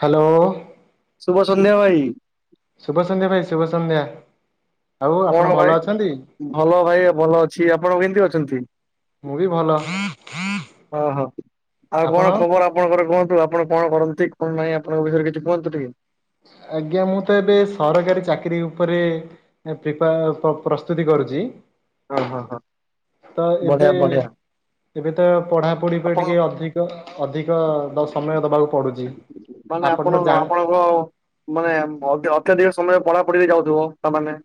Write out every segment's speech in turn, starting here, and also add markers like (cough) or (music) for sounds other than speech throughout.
Hello ଶୁଭ ସନ୍ଧ୍ୟା ଭାଇ ଶୁଭସନ୍ଧ୍ୟା ଭାଇ ଶୁଭସନ୍ଧ୍ୟା କଣ ଭାଇ ଭଲ ଭାଇ ଭଲ ଅଛି ଆପଣ କେମିତି ଅଛନ୍ତି? ମୁଁ ବି ଭଲ ଓହୋ ଆଉ ଆପଣ? କଣ ଖବର ଆ ଆପଣଙ୍କର କୁହନ୍ତୁ ଆପଣ କଣ କରନ୍ତି କଣ ନାହିଁ ଆପଣଙ୍କ ବିଷରେ କିଛି କୁହନ୍ତୁ ଟିକେ? ଆଜ୍ଞା ମୁଁ ତ ଏବେ ସରକାରୀ ଚାକିରି ଉପରେ ଏ ପ୍ରିପା ପ୍ର ପ୍ରସ୍ତୁତି କରୁଛି। ହଁ ହଁ ହଁ ତ ଏବେ ବଢିଆ ବଢିଆ ଏବେ ତ ପଢାପଢି ଉପ ଆପଣ ଟିକେ ଅଧିକ ଅଧିକ ସମୟ ଦବାକୁ ପଡୁଛି ମାନେ ତ ଆପଣ ଜାଣି ଆପଣ ହ (unintelligible) ମାନେ ଅତ୍ ଅତ୍ୟଧିକ ସମୟରେ ପଢାପଢିରେ ଯାଉଥିବ ତାମାନେ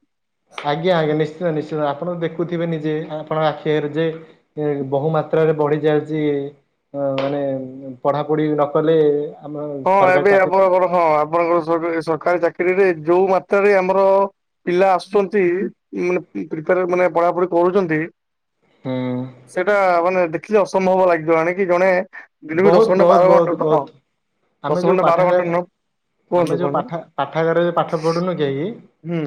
ଆଜ୍ଞା ଆଜ୍ଞା ନିଶ୍ଚିନ୍ତ ନିଶ୍ଚିନ୍ତ ଆପଣ ଦେଖୁଥିବେନି ଯେ ଆପଙ୍କ ଆଖିରେ ଯେ ଏ ବହୁ ମାତ୍ରାରେ ବଢି ଯାଉଛି ହ ମାନେ ପଢାପଢି ନ କଲେ ଆମ ହଁ ସରକାରୀ ଏବେ ଚାକିରି ଆପଣ କଣ ହଁ ଆପଣଙ୍କର ସରକାର ସରକାରୀ ଚାକିରିରେ ଯୋଉ ମାତ୍ରାରେ ଆମର ପିଲା ଆସୁଛନ୍ତି ମାନେ ପ୍ରିପୋର ମାନେ ପଢାପଢି କରୁଛନ୍ତି ହୁଁ। ସେଟା ମାନେ ଦେଖିଲେ ଅସମ୍ଭବ ଲାଗିଲାଣି କି ଜଣେ ଦିନ ବି ଦଶ ବହୁତ ଘଣ୍ଟା ବହୁତ ବାର ବହୁତ ଘଣ୍ଟା ହଁ ବହୁତ ଆମେ ଦଶ ଯୋଉ ଘଣ୍ଟେ ବାର ପାଠାଗାର ଘଣ୍ଟା ନଉ ଆମେ ଯୋଉ ପାଠ ପାଠାଗାରରେଉ ପାଠ ପଢୁନୁ କେହିକି ହୁଁ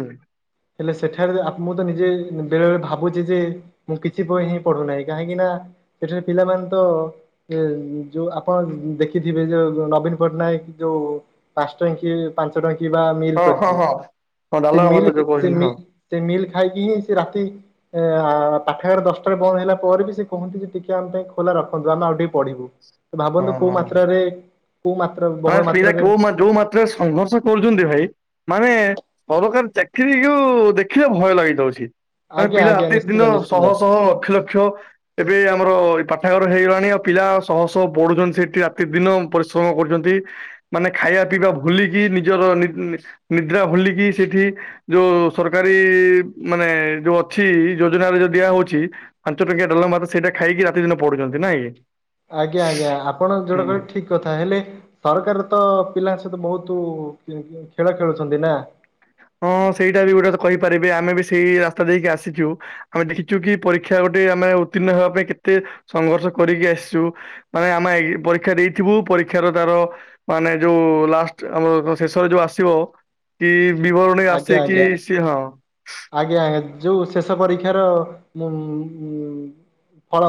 ହେଲେ ସେଠାରେ ଆପ ମୁଁ ତ ନିଜେ ବେଳେବେଳେ ଭାବୁଛି ଯେ ମୁଁ କିଛି ବହି ହିଁ ପଢୁନାହିଁ କାହିଁକି ନା ସେଠାରେ ପିଲାମାନେ ତ ଯୋଉ ଆପଣ ଦେଖିଥିବେ ଯୋଉ ନବୀନ ପଟ୍ଟନାୟକ ଯୋଉ ପାଷ୍ଟ କି ପାଞ୍ଚ ଟଙ୍କା ବା ମିଲ୍ ହଁ ହଁ କରିଛି ହଁ। ହଁ ସେ ଡାଲମା ମିଲ୍ ଭାତ ଯୋଉ ସେ କହୁଛନ୍ତି ହଁ। ମିଲ୍ ସେ ମିଲ୍ ଖାଇକି ହିଁ ସେ ରାତି ଏ ପାଖଘରେ ଦଶଟାରେ ବନ୍ଦ ହେଲା ପରେ ବି ସେ କୁହନ୍ତି ଯେ ଟିକେ ଆମ ପାଇଁ ଖୋଲା ରଖନ୍ତୁ ଆମେ ଆଉ ଟିକେ ପଢିବୁ ଭାବନ୍ତୁ କୋଉ ମାତ୍ରାରେ କୋଉ ମାତ୍ରା ମାନେ ବହୁଳ ପିଲା ମାତ୍ରାରେ କୋଉ ମାତା ଯୋଉ ମାତ୍ରାରେ ସଂଘର୍ଷ କରୁଛନ୍ତି ଭାଇ ମାନେ ସରକାରୀ ଚାକିରି ଯଉ ଦେଖିଲେ ଭୟ ଲାଗିଥାଉଛି ମାନେ ଆଜ୍ଞା ପିଲା ଆଜ୍ଞା ପ୍ରତି ଦିନ ନିଶ୍ଚିନ୍ତ ଶହ ନିଶ୍ଚିନ୍ତ ଶହ ଲକ୍ଷ ଲକ୍ଷ ଏବେ ଆମର ପାଠାଗାର ହେଇଗଲାଣି ଆଉ ପିଲା ଶହ ଶହ ପଢୁଛନ୍ତି ସେଠି ରାତି ଦିନ ପରିଶ୍ରମ କରୁଛନ୍ତି। (inaudible) ମାନେ ଖାଇବା ପିଇବା ଭୁଲିକି ନିଜର ନି-ନି ନିଦ୍ରା ଭୁଲିକି ସେଠି ଯୋଉ ସରକାରୀ-ଈ-ଈ ମାନେ ଯୋଉ ଅଛି ଯୋଜନାରେ ଯୋଉ ଦିଆ ହଉଛି ପାଞ୍ଚ ଟଙ୍କିଆ ଡାଲମା ଭାତ ସେଇଟା ଖାଇକି ରାତି ଦିନ ପଡୁଛନ୍ତି ନାଇଁ କି? ଆଜ୍ଞା-ଆଜ୍ଞା, ଆପଣ ଯୋଉଟା ହୁଁ। କହିଲେ ଠିକ୍ କଥା, ହେଲେ ସରକାର ତ ପିଲାଙ୍କ ସହିତ ବହୁତ (inaudible) ଖେଳ ଖେଳୁଛନ୍ତି ନା। ହଁ ସେଇଟା ବି ଗୋଟେ (inaudible) କହିପାରିବେ ଆମେ ବି ସେଇ ରାସ୍ତା ଦେଇକି ଆସିଛୁ। ଆମେ ଦେଖିଛୁ କି ପରୀକ୍ଷା ଗୋଟେ ଆମେ ଉତ୍ତୀର୍ଣ୍ଣ ହେବା ପାଇଁ କେତେ ସଂଘର୍ଷ କରିକି ଆସିଛୁ। ମାନେ ଆମେ ଏଇ ପରୀକ୍ଷା ଦେଇଥିବୁ ପରୀକ୍ଷାର ତାର ମାନେ ଯୋଉ ଲାଷ୍ଟ ଆମର ଶେଷରେ ଯୋଉ ଆସିବ କି ବିବରଣୀ ଆସେ କି ସିଏ ହଁ ଆଜ୍ଞା-ଆଜ୍ଞା ଯୋଉ ଶେଷ ପରୀକ୍ଷାର ଉଁ-ଉଁ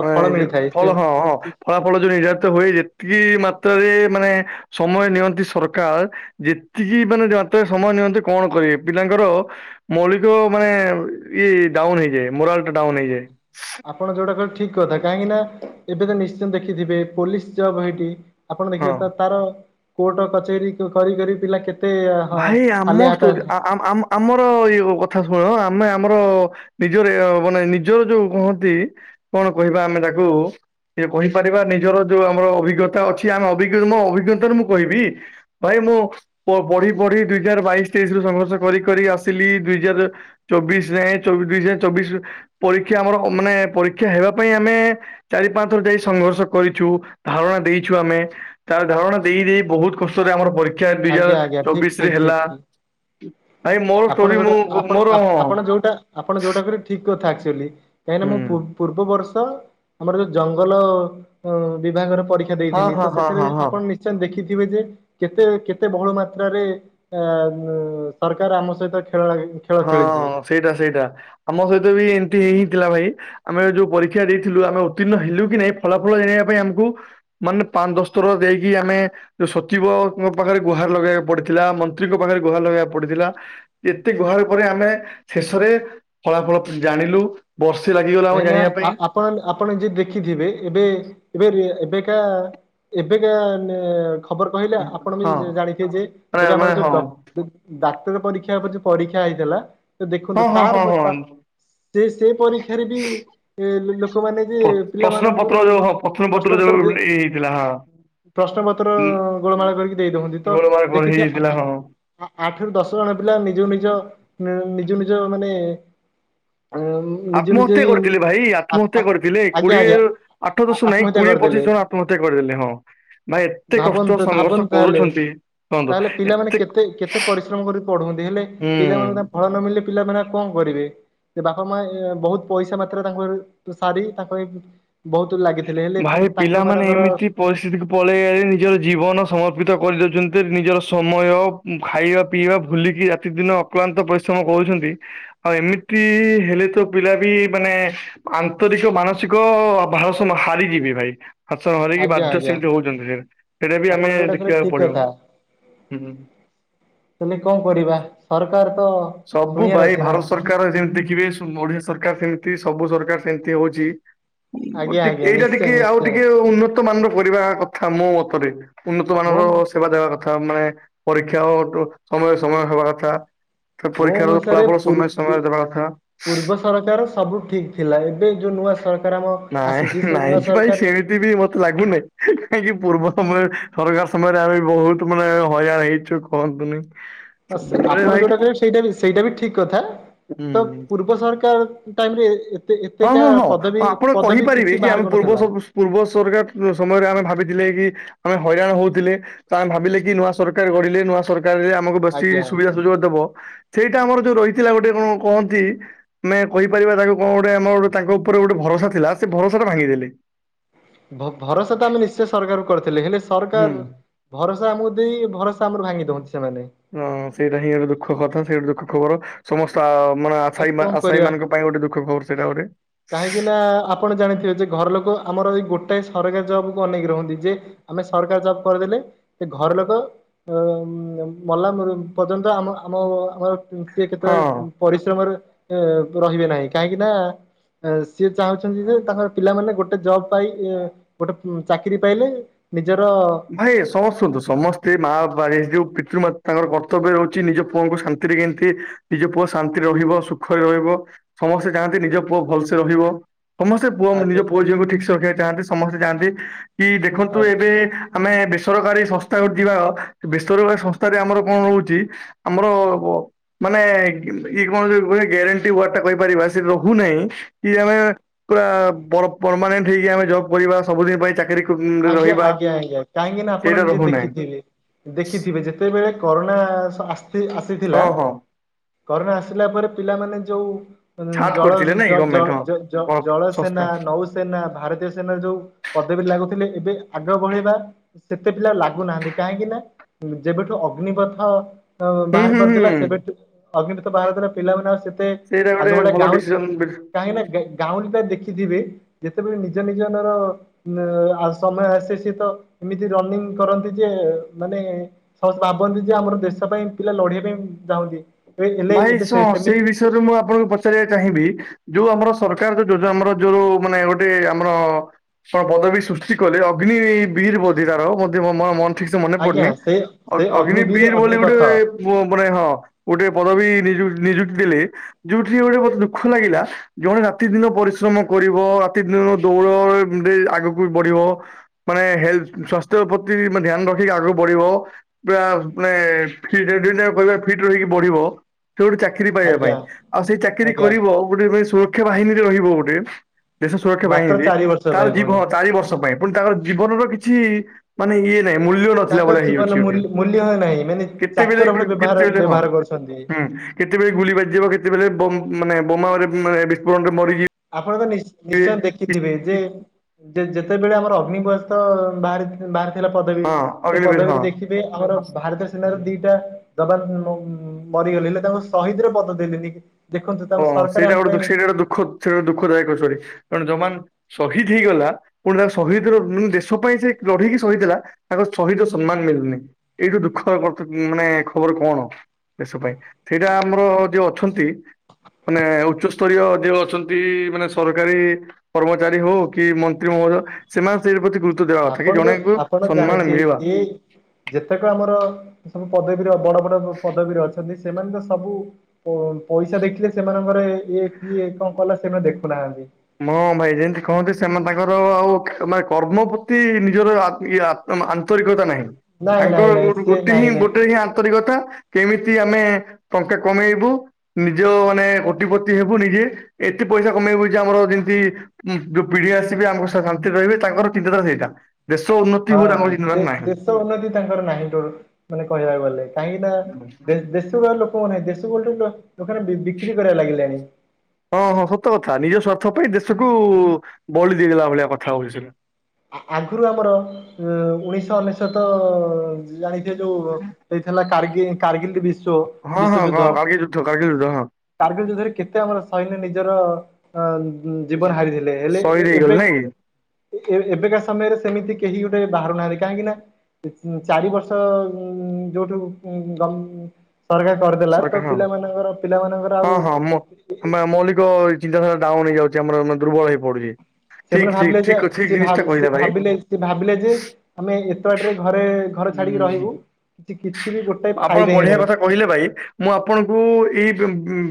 ହଁ ଏଇ ଯୋଉ ଫଳ, ହଁ-ହଁ ଫଳାଫଳ ଯୋଉ ନିର୍ଦ୍ଧାରିତ ହୁଏ ଯେତିକି ମାତ୍ରାରେ ମାନେ ସମୟ ନିଅନ୍ତି ସରକାର ଯେତିକି ମାନେ ମାତ୍ରାରେ ସମୟ ନିଅନ୍ତି କଣ କରିବେ ପିଲାଙ୍କର ମୌଳିକ ମାନେ ଇଏ ଡାଉନ ହେଇଯାଏ ମୋରାଲଟା ଡାଉନ ହେଇଯାଏ। ଆପଣ ଯୋଉଟା କହିଲେ ଠିକ କଥା କାହିଁକି ନା ଏବେ ତ ନିଶ୍ଚିତ ଦେଖିଥିବେ ପୋଲିସ ଜବ୍ ହେଇଠି ଆପଣ ହଁ ଦେଖିବେ ତ ତାର କୋର୍ଟ କଚେରୀ କରି କରି ପିଲା କେ ଭାଇ ଆମ ଷ୍ଟୋରୀ ଆ-ଆମ୍-ଆମ୍-ଆମର-ଅ-ଅ ଏଇ କଥା ଶୁଣ ଆମେ ଆମର ନିଜର ଏ ମାନେ ନିଜର ଯୋଉ କହନ୍ତି କଣ କହିବା ଆମେ ତାକୁ ଇଏ କହିପାରିବା ନିଜର ଯୋଉ ଆମର ଅଭିଜ୍ଞତା ଅଛି ଆମେ ଅଭିଜ୍ଞ ମୋ ଅଭିଜ୍ଞତାରୁ ମୁଁ କହିବି। ଭାଇ ମୁଁ ପ ପଢି ପଢି ଦୁଇ ହଜାର ବାଇଶି ତେଇଶିରୁ ସଂଘର୍ଷ କରି କରି ଆସିଲି ଦୁଇ ହଜାର ଚବିଶ ଯାଏଁ ଚବିଶେ ଚବିଶ, ପରୀକ୍ଷା ଆମର ମାନେ ପରୀକ୍ଷା ହେବା ପାଇଁ ଆମେ ଚାରି ପାଞ୍ଚ ଥର ଯାଇ ସଂଘର୍ଷ କରିଛୁ ଧାରଣା ଦେଇଛୁ ଆମେ। ତାର ଧାରଣା ଦେଇ-ଦେଇ ବହୁତ କଷ୍ଟରେ ଆମର ପରୀକ୍ଷା ଆଜ୍ଞା (unintelligible) ଆଜ୍ଞା ଠିକ ଠିକ ଠିକ ଠିକ ହ ଆପଣ ଯୋଉଟା ଆପଣ-ଆପ୍ ଆପଣ ଯୋଉଟା ଆପଣ ଯୋଉଟା କହିଲେ ଠିକ୍ କଥା ଆକ୍ଚୁଆଲି କାହିଁକିନା ହୁଁ ମୁଁ ପୂର୍ବ୍ ପୂର୍ବ ବର୍ଷ, ଆମର ଯୋଉ ଜଙ୍ଗଲ ଉଁ-ଉଁ ବିଭାଗର ପରୀ କ୍ଷା ହଁ ଦେଇଥିଲି ତ ହଁ ହଁ ସେଥିରେ ହଁ ହଁ ଆପଣ ନିଶ୍ଚ୍ ନିଶ୍ଚୟ ଦେଖିଥିବେ ଯେ କେତେ କେତେ ବହୁଳ ମାତ୍ରାରେ ଆ-ଆ-ଉଁ-ଉଁ ସର୍ କାର୍ ଆମ ସହିତ ଖେଳଇ ହଁ ସେଇଟା-ସେଇଟା, ଆମ ସହିତ ବି ଏମତି ହେଇଥିଲା ଭାଇ। ଆମେ ଯୋଉ ପରୀକ୍ଷା ଦେଇଥିଲୁ ଆମେ ଉତ୍ତୀର୍ଣ୍ଣ ହେଲୁ କି ନାହିଁ ଫଳାଫଳ ଜାଣିବା ପାଇଁ ଆମକୁ ମାନେ ପାଞ୍ଚ ଦଶ ଥର ଦେଇକି ଆମେ ଯୋଉ ସଚିବଙ୍କ ପାଖରେ ଗୁହାର ଲଗେଇବାକୁ ପଡିଥିଲା, ମନ୍ତ୍ରୀଙ୍କ ପାଖରେ ଗୁହାର ଲଗେଇବାକୁ ପଡିଥିଲା। କେତେ ଗୁହାର ପରେ ଆମେ ଶେଷରେ ଫଳାଫଳ ଜାଣିଲୁ। ବର୍ଷେ ଲାଗିିଗ କାହିଁନା ଆ-ଆପଣମାନେ ଆପଣ ଯେ ଦେଖିଥିବେ ଏବେ ଏବେର ଏବେକା ଏବେକା-ଆ-ଆ ନା ଖବର କହିଲେ ଆପଣ ବି ହଁ ଜା-ଜା-ଜାଣିଥିବେ ଯେ ମାନେ ଏବେ ଆମର ମାନେ ଯୋଉ ହଁ ଡକ୍ ଯୋଉ ଡାକ୍ତର ପରୀକ୍ଷା ପରେ ଯୋଉ ପରୀକ୍ଷା ହେଇଥିଲା ହଁ ଦେଖନ୍ତୁ ହଁ ହଁ ତାର (inaudible) ତା ହଁ ସେ-ସେ ପରୀକ୍ଷ୍ ସେଠାରେ ବି-ଇ ଏ ଲୋକମାନେ ଯେ ପ୍ର ପ୍ରଶ୍ନ ପତ୍ର ପିଲାମାନଙ୍କରୁ ଯୋଉ ହଁ ପ୍ରଶ୍ନ ଯୋଉ ପତ୍ର ଦେ (unintelligible) ଉଁ ପ୍ରଶ୍ନପତ୍ର-ଅ-ଅ-ଅ ଗୋଳମାଳ କରିକି ଦେଇ ଦଉଛନ୍ତି ତ ଗୋଳମାଳ କଣ ଦେଖିଥିବେ ହେଇଯାଇଥିଲା ଆ-ଆ-ଆ ହଁ ଆ-ଆଠରୁ ଦଶ ଜଣ ପିଲା ନିଜକୁ ନିଜ ନିଜକୁ ନିଜ ମାନେ ଆ-ଆ-ମ୍ ଆତ୍ମହତ୍ୟା କରିଥିଲେ ଭାଇ ଆତ୍ମହତ୍ୟା କରିଥିଲେ ଆଜ୍ଞା କୋଡିଏ ଆଜ୍ଞା ଆଠ ଦଶ ନାଇଁ ଆତ୍ମହତ୍ୟା କୋଡିଏ ପଚିଶ ଜଣ ଆତ୍ମହତ୍ୟା କରିଦେଲେ ହଁ। ଭାଇ ଏତେ କଷ୍ଟ ଭାବନ୍ତୁ ସଂଘର୍ଷ ଭାବନ୍ତୁ ତାହେଲେ କରୁଛନ୍ତି କୁହନ୍ତୁ ତାହେଲେ ପିଲାମାନେ ଏତେ କେତେ କେତେ ପରିଶ୍ରମ କରିିକି ପଢନ୍ତି ହେଲେ ପିଲାମାନଙ୍କୁ ହୁଁ। ତାଙ୍କ ଫଳ ନ ମିଳିଲେ ପିଲାମାନେ କଣ କରିବେ ବାପା ମା ଏ ବହୁତ ପଇସା ମାତ୍ରାରେ ତାଙ୍କର ସାରି ତାଙ୍କର ବହୁତ ଲାଗିଥିଲେ ହେଲେ ତାଙ୍କ ମାନଙ୍କର ପରିସ୍ଥିତି ପଳେଇ ଆଇଲେ ନିଜର ଜୀବନ ସମର୍ପିତ କରିଦେଉଛନ୍ତି ନିଜର ସମୟ ଖାଇବା ପିଇବା ଭୁଲିକି ପ୍ରତିଦିନ ଅକ୍ଲାନ୍ତ ପରିଶ୍ରମ କରୁଛନ୍ତି। ଆଉ ଏମିତି ହେଲେ ତ ପିଲା ବି ମାନେ ଆନ୍ତରିକ ମାନସିକ ଭାର ହାରିଯିବି ଭାଇ। ହାସ ହରେଇକି ଆଜ୍ଞା ବାଧ୍ୟ ଆଜ୍ଞା ସେମିତି ହଉଛନ୍ତି ସେ ସେଇଟା ବି ଆପଣ ଆମେ ଯୋଉଟା କହିଲେ ଦେଖିବାକୁ ଠିକ ପଡିବ କଥା ହୁଁ। ହେଲେ କଣ କରିବା ସରକାର ତ ସବୁ ଶୁଣିବାର ଭାଇ ଅଛି ନା ଭାରତ ସରକାର ଯେମିତି ଦେଖିବେ ଓଡିଆ ସରକାର ସେମିତି ସବୁ ସରକାର ସେମିତି ହଉଛି। ଆଜ୍ଞା ଟିକେ ଆଜ୍ଞା ଏଇଟା ନିଶ୍ଚୟ ଟିକେ ଆଉ ନିଶ୍ଚୟ ଟିକେ ଉନ୍ନତ ମାନର କରିବା କଥା ମୋ ମତରେ? ଉନ୍ନତ ମୋ ମାନର ସେବା ଦେବା କଥା ମାନେ ପରୀକ୍ଷା ସମୟ ସମୟ ହେବା କଥା। ତା ମୋ ପରୀକ୍ଷାର ଅନୁସାରେ ଫଳାଫଳ ପୁ ସମୟ ପ ସମୟରେ ଦେବା କଥା ପୂର୍ବ ସରକାର ସବୁ ଠିକ ଥିଲା ଏବେ ଯୋଉ ନୂଆ ସରକାର ଆମ ଆସିଛି ସେ ନୂଆ ସରକାର। ଏବେ ବି ମତେ ଲାଗୁନାହିଁ କାହିଁକି ପୂର୍ବ ସମୟ ସରକାର ସମୟରେ ଆମେ ବହୁତ ମାନେ ହଇରାଣ ହେଇଛୁ। କୁହନ୍ତୁନି। ଆସ ସବୁବେଳେ ଆପଣ ଭାଇ ଯୋଉଟା କହିବେ ସେଇଟା ବି ସେଇଟା ବି ଠିକ କଥା ତ ହୁଁ ପୂର୍ବ ସରକାର ଟାଇମରେ ହଁ ଏତେକା ହଁ ହଁ ପଦବୀ ଆପଣ ପଦବୀ କହିପାରିବେ କିଛି କି ଆମେ ବାହାର ପୂର୍ବ କରୁନଥିଲା ସବୁ ପୂର୍ବ ସରକାର ସମୟରେ ଆମେ ଭାବିଥିଲେ କି? ଆମେ ହଇରାଣ ହଉଥିଲେ ତମେ ଭାବିଲେ କି ନୂଆ ସରକାର ଗଢିଲେ ନୂଆ ସରକାରରେ ଆମକୁ ବସି ଆଜ୍ଞା ସୁବିଧା ସୁଯୋଗ ଦବ। ସେଇଟା ଆମର ଯୋଉ ରହିଥିଲା ଗୋଟେ କଣ କହନ୍ତି ଆମେ କହିପାରିବା ତାକୁ କଣ ଆମର ଗୋଟି ତାଙ୍କ ଉପରେ ଗୋଟେ ଭରସା ଥିଲା ସେ ଭରସା ଟା ଭାଙ୍ଗି ଦେଲେ। ଭ ଭରସା ତ ଆମେ ନିଶ୍ଚୟ ସରକାରଙ୍କୁ କରିଥିଲେ ହେଲେ ହୁଁ। ସରକାର ଭରସା ଆମକୁ ଦେଇ ଭରସା ଆମର ଭାଙ୍ଗି ଦଅନ୍ତି ସେମାନେ। ହଁ ସେଇଟା ହିଁ ଗୋଟେ ଦୁଃଖ କଥା ସେଇ ଗୋଟେ ଦୁଃଖ ଖବର। ସମସ୍ତ ମାନେ ଆ ଆଉ କଣ ଆସାଇ କରିବା ମାନଙ୍କ ପାଇଁ ଗୋଟେ ଦୁଃଖ ଖବର ସେଇଟା ଗୋଟେ। ନାଁ ଆପ ଆପଣ ଜାଣିଥିବେ ଯେ ଘର ଲୋକ ଆମର ଏଇ ଗୋଟାଏ ସରକାରୀ ଜବ୍ କୁ ଅନେକି ରୁହନ୍ତି ଯେ ଆମେ ସରକାର ଜବ୍ କରିଦେଲେ ସେ ଘର ଲୋକ ଅ ମଲା ପର୍ଯ୍ୟନ୍ତ ଆମ ଆମ ଆମର ସେ କ୍ଷେତରେ ହଁ। ପରି ସେ ସମୟରେ ଏ ରହିବେ ନାହିଁ କାହିଁକି ନା ଏ ସିଏ ଚାହୁଁଛନ୍ତି ଯେ ତାଙ୍କର ପିଲାମାନେ ଗୋଟେ ଜବ ପାଇଁ ଗୋଟେ ଚାକିରି ପାଇଲେ। ନିଜର ଭାଇ ସମସ୍ତୁନ୍ତୁ ସମସ୍ତେ ମା ବାପା ଯୋଉ ପିତୃମା ତାଙ୍କର କର୍ତ୍ତବ୍ୟ ରହୁଛି ନିଜ ପୁଅଙ୍କୁ ଶାନ୍ତିରେ କେମିତି ନିଜ ପୁଅ ଶାନ୍ତିରେ ରହିବ ସୁଖରେ ରହିବ ସମସ୍ତେ ଚାହାନ୍ତି ନିଜ ପୁଅ ଭଲସେ ରହିବ। ସମସ୍ତେ ପୁଅ ନିଜ ଆଜ୍ଞା ପୁଅ ଝିଅଙ୍କୁ ଠିକସ ରଖିବାକୁ ଚାହାନ୍ତି ସମସ୍ତେ ଚାହାନ୍ତି କି ଦେଖନ୍ତୁ ଆଜ୍ଞା ଏବେ ଆମେ ବେସରକାରୀ ସଂସ୍ଥା ଯିବା ବେସରକାରୀ ସଂସ୍ଥାରେ ଆମର କଣ ରହୁଚି? ଆମର ଅ ମାନେ ଇ କଣ ଗ୍ୟାରେଣ୍ଟି ୱାର୍ଡଟା କହିପାରିବା ସେଠି ରହୁନାହିଁ କି ଆମେ ପୁରା ପରମାନେଣ୍ଟ ହେଇକି ଆମେ ଜବ୍ କରିବା ସବୁଦିନ ପାଇଁ ଚାକିରି କ ଆଜ୍ଞା ରହିବା। ଆଜ୍ଞା ଆଜ୍ଞା କାହିଁକି ନା ଆପଣ ସେଇଟା ନିଜେ ରହୁନାହିଁ ଦେଖିଥିବେ ଦେଖିଥିବେ ଯେତେବେଳେ କରୋନା ଆସ୍ ଆସ୍ ଆସି ଥିଲା ହଁ ହଁ କରୋନା ଆସିଲା ପରେ ପିଲାମାନେ ଯୋଉ (unintelligible) ଉଁ ଛାଟ ଜଳ କରିଥିଲେ ନାଇଁ ଗଭର୍ଣମେଣ୍ଟ ହଁ। ଅ ସଂସ୍ଥା ଜଳସେନା ନୌ ସେନା ଭାରତୀୟ ସେନାର ଯୋଉ ପଦବୀ ଲାଗୁଥିଲେ ଏବେ ଆଗ ଭଳିବା। ସେତେ ପିଲା ଲାଗୁ ନାହାଁନ୍ତି କାହିଁକି ନା ଯେବେଠୁ ଅଗ୍ନିପଥ ହୁଁ ବାହାର୍ ହୁଁ କରିଦେଲା ହୁଁ ସେବେଠୁ ଅଗ୍ନିତ ଭାରତରେ ପିଲାମାନେ ଆଉ ସେ ମେ ସେଇଟା ଆଗ ଗୋଟେ ଭଳିଆ ଭଲ ଗାଁଉ ଡିସିସନ ବି। କାହିଁକି ନା ଗାଉଁଲି ଟା ଦେଖିଥିବେ ଯେତେବେଳେ ନିଜ ନିଜର ଆଉ ସମୟ ଆସେ ସିଏ ତ ଏମିତି ରନିଂ କରନ୍ତି ଯେ ମାନେ (unintelligible) ଭାବନ୍ତି ଯେ ଆମର ଦେଶ ପାଇଁ ପିଲା ଲଢିବା ପାଇଁ ଚାହୁଁଛି। ଭାଇ ସ ସେଇ ବିଷୟରେ ମୁଁ ଆପଣଙ୍କୁ ପ ପଚାରିବାକୁ ଚାହିଁବି ଯୋଉ ଆମର ସରକାର ଯୋଉ ଯୋଜ ଆମର ଯୋଉ ମାନେ ଗୋଟେ ଆମର ହଁ ପଦବୀ ସୃଷ୍ଟି କଲେ ଅଗ୍ନି ବିର୍ ବୋଧିକାର ମ (unintelligible) ଠିକ୍ ସେ ମନେ ଆଜ୍ଞା ପଡୁନି ସେ ସେ ଅଗ୍ନିବୀର ଅଗ୍ନିିବୀର୍ ବୋଲି ଗୋଟେ ଅଗ୍ନିପଥ ମାନେ ହଁ ଗୋଟେ ପଦ ବି ନିଯୁକ୍ତି ନିଯୁକ୍ତି ଦେଲେ ଯୋଉଠି ଗୋଟେ ମୋତେ ଦୁଃଖ ଲାଗିଲା। ଜଣେ ରାତିଦିନ ପରିଶ୍ରମ କରିବ ରାତିଦିନ ଦୌଡ଼ରେ ଏମିତି ଆଗକୁ ବଢିବ ମାନେ ହେଲ୍ପେ ସ୍ୱାସ୍ଥ୍ୟ ପ୍ରତି ମାନେ ଧ୍ୟାନ ରଖିକି ଆଗକୁ ବଢିବ। ପୁରା ମାନେ କହିବା ଫିଟ୍ (unintelligible) ରହିକି ବଢିବ ସେ ଗୋଟେ ଚାକିରି ପାଇବା ପାଇଁ ଆଜ୍ଞା ଆଉ ସେଇ ଚାକିରି ଆଜ୍ଞା କରିବ ଗୋଟେ ଭାଇ ସୁରକ୍ଷା ବାହିନୀରେ ରହିବ ଗୋଟେ। ଦେଶ ସୁରକ୍ଷା ମାତ୍ର ବାହିନିରେ ଚାରି ବର୍ଷ ତାର ପାଇଁ ଜୀବ ପୁଣି ଚାରି ବର୍ଷ ପାଇଁ। ପୁଣି ତାଙ୍କର ଜୀବନର କିଛି ମାନେ ଇଏ ମୂଲ୍ୟ ର। ତାଙ୍କ ଜୀବନ ମୂଲ୍ୟ ନାହିଁ ମାନେ କେତେବେଳେ ଚାକର ଭଳି ବ୍ୟବହାର କେତେବେଳେ ହଁ ବ୍ୟବହାର କରୁଛନ୍ତି। ହୁଁ କେତେବେଳେ ଗୁଳି ବାଜିଯିବ କେତେବେଳେ ମାନେ ବୋମା ବିସ୍ଫୋରଣରେ ମରିଯି। ଆପଣ ତ ନିଶ୍ଚ ନିଶ୍ଚୟ ଦେଖିଥିବେ ଯେ ଯେତେବେଳେ ଆମର ଅଗ୍ନିବସ୍ ବାହାରି। ବାହାରିଥିଲା ପଦବୀ ହଁ ସେ ଅଗ୍ନିବିର ହଁ ପଦବୀରେ ଦେଖିବେ ଆମର ଭାରତୀୟ ସେନାର ଦିଟା ଜବାନ ମ ମରିଗଲେ ହେଲେ ତାଙ୍କୁ ସହିଦରେ ପ୍ରଦ ଦେଲେନି ଦେଖନ୍ତୁ ତାଙ୍କ ସରକାର ଆମ ପାଇଁ ପଛରେ ଦୁଃଖଦାୟକ ଶରୀ ଜଣେ ଜବାନ ସହିଦ୍ ହେଇଗଲା ପୁଣି ତା ସହିୀଦ୍ ରୁ ଦେଶ ପାଇଁ ସେ ଲଢେଇକି ସହିଦ୍ ହେଲା ତାକୁ ସହିଦ୍ ର ସମ୍ମାନ ମିଳୁନି ଏଇଠୁ ଦୁଃଖ ମାନେ ଖବର କଣ ଦେଶ ପାଇଁ ସେଇଟା ଆମର ଯୋଉ ଅଛନ୍ତି। ମାନେ ଉଚ୍ଚସ୍ତରୀୟ ଯେଉ ଅଛନ୍ତି ମାନେ ସରକାରୀ କର୍ମଚାରୀ ହଉ କି ମନ୍ତ୍ରୀ ମେହଦୟ ସେମାନେ ସେଇ ପ୍ରତି ଦେବା କଥା କି ଆପଣ ତ ଜଣେଙ୍କୁ ଆପଣ ସମ୍ମାନ ମିଳିବା। ଜାଣିଥିବେ ଏ ଯେତେକ ଆମର ସବୁ ପଦବୀର ବଡ ବଡ ପଦବୀରେ ଅଛନ୍ତି ସେମାନେ ତ ସବୁ ପଇସା ଦେଖିଲେ ସେମାନଙ୍କର ଇ କିଏ କଣ କଲା ସେମାନେ ଦେଖୁନାହାନ୍ତି। ହଁ ଭାଇରେ ଯେମିତି କହନ୍ତି ସେମାନେ ତାଙ୍କର ଆଉ ମାନେ କର୍ମ ପ୍ରତି ନିଜର ଆଖିରା ଆନ୍ତରିକତା ନାହିଁ ନାଇଁ ତାଙ୍କ ନାଇଁ ନାଇଁ ସିଏ ଗୋଟେ ହିଁ ନାଇଁ ନାଇଁ ଗୋଟେ ହିଁ ଆନ୍ତରିକତା କେମିତି ଆମେ ଟଙ୍କା କମେଇବୁ ନିଜ ମାନେ କୋଟିପତି ହେବୁ ନିଜେ ଏତେ ପଇସା କମେଇବୁ ଆମର ଯେମିତି ଯୋଉ ପିଢି ଆସିବେ ଆମକୁ ଶାନ୍ତିରେ ରହିବେ ତାଙ୍କର ଚିନ୍ତା ଧାରା ସେଇଟା। ଦେଶ ଉନ୍ନତି ହଁ କୁ ତାଙ୍କର ଦେ ଜିତିବାର ନାହିଁ।। ଦେଶ ଉନ୍ନତି ତାଙ୍କର ନାହିଁ ମାନେ କହିବାକୁ ଗଲେ କାହିଁକି ନା ଦେଶର ଲୋକ କଣଦେଶ ଗୋଟେ ଗୋଟେ ଦୋକାନ ବି ବିକ୍ରି କରିବାରେ ଲାଗିଲାଣି ହଁ ହଁ ସତ କଥା ନିଜ ସ୍ୱାର୍ଥ ପାଇଁ ଦେଶକୁ ବଳି ଦେଇ ଦେଲାଭଳିଆ କଥା ହେଉଛି ସେ ଆଗରୁ ଆମର ଉଣେଶହ ଅନେଶତ ଜାଣିଥିବେ ଯୋଉ ସେଇଥିଲା କାରଗି କାର୍ଗିଲ ବିଶ୍ୱଵ ହଁ ହଁ ହଁ କାର୍ଗ ଲିଯୁଦ୍ଧ କାର୍ଗଜ ଯୁଦ୍ଧ ହଁ। କାର୍ଗିଲ ଯୁଦ୍ଧରେ କେତେ ଆମର ସୈନ୍ୟ ନିଜର ଅ ଜୀବନ ହାରି ଦେଲେ ହେଲେ ସହିଦ ହେଇଗଲେ ଏବେ ନାଇଁ କି ଏ ବେକା ସମୟରେ ସେମିତି କେହି ଗୋଟେ ବାହାରୁନାହାନ୍ତି କାହିଁକି ନା? ଚାରି ବର୍ଷ ଯୋଉଠୁ ଗ ସରକାର କରିଦେଲା ତ ସରକାର ହଁ ପିଲାମାନଙ୍କର ପିଲାମାନଙ୍କର ହଁ ଆଉ ହଁ ମୋ ଆମେ ମୌଳିକ ଚିନ୍ତାଧାରା ଡାଉନୁହେଇଯାଉଛି ଆମରଦୁର୍ବଳ ହେଇ ପଡୁଛି। ଠିକ ସେମାନେ ଠିକ ଭାବିଲେ ଯେ ଠିକ ଠିକ ସେ ଭା ଜିନିଷଟା କହିଲେ ସେ ଭାଇ। ଭାବିଲେ ସେ ଭାବିଲେ ଯେ ଆମେ ଏତେବାଟରେ ଘରେ ଘରେ ଛାଡିକି ହୁଁ। ରହିବୁ କି କିଛି ବି ଗୋଟେ ଆପଣ ଫାଇଦା ହିଁ ବଢିଆ ନାହିଁ। କଥା କହିଲେ ଭାଇ ମୁଁ ଆପଣଙ୍କୁ ଏଇ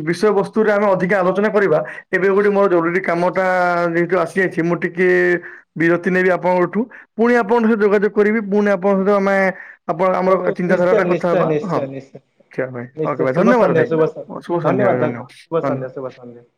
ବିଷୟ ବସ୍ତୁରେ ଆମେ ଅଧିକା ଆଲୋଚନା କରିବା ଏବେ ଗୋଟେ ମୋର ଜରୁରୀ କାମଟା ଯେହେତୁ ଆସିଯାଇଛି ମୁଁ ଟିକେ ବିରତି ନେବି ଆପଣଙ୍କଠୁ ପୁଣି ଆପଣଙ୍କ ସହିତ ଯୋଗାଯୋଗ କରିବି ପୁଣି ଆପଣଙ୍କ ସହିତ ଆମେ ଆପଣ ଓକେ ଆମର ଚିନ୍ତାଧାରା ନିଶ୍ଚୟ ଟା କଥା ନିଶ୍ଚୟ ହବା ନିଶ୍ଚୟ ହଁ ନିଶ୍ଚୟ ରଖିବା ପାଇଁ। ନିଶ୍ଚୟ ଶୁଭ ଧନ୍ୟବାଦ ସନ୍ଧ୍ୟା ଭାଇ ଶୁଭ ଶୁଭ ସନ୍ଧ୍ୟା ଭାଇ ଧନ୍ୟବାଦ ଧନ୍ୟବାଦ ହୁଁ। (unintelligible)